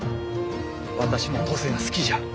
私も登勢が好きじゃ。